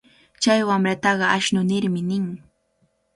Chay wamrataqa ashnu nirmi nin.